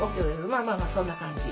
まあまあまあそんな感じ。